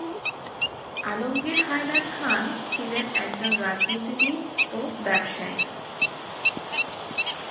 আলমগীর হায়দার খাঁন ছিলেন একজন রাজনীতিবিদ ও ব্যবসায়ী ছিলেন।